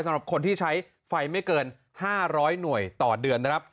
สำหรับคนที่ใช้ไฟไม่เกิน๕๐๐หน่วยต่อเดือนนะครับ